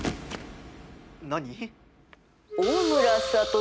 何？